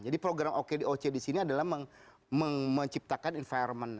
jadi program oke oce di sini adalah menciptakan environment